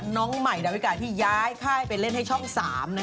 น้องใหม่ดาวิกาที่ย้ายค่ายไปเล่นให้ช่อง๓